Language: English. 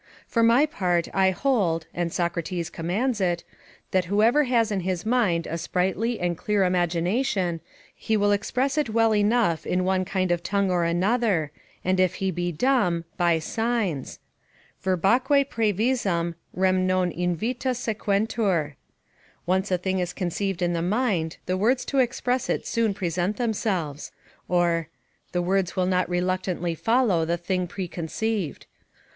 For my part, I hold, and Socrates commands it, that whoever has in his mind a sprightly and clear imagination, he will express it well enough in one kind of tongue or another, and, if he be dumb, by signs "Verbaque praevisam rem non invita sequentur;" ["Once a thing is conceived in the mind, the words to express it soon present themselves." ("The words will not reluctantly follow the thing preconceived.")